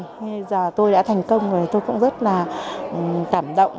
bây giờ tôi đã thành công rồi tôi cũng rất là cảm động